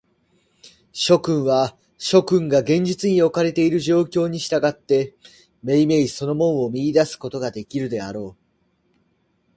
諸君は、諸君が現実におかれている状況に従って、めいめいその門を見出すことができるであろう。